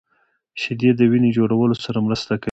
شیدې د وینې جوړولو سره مرسته کوي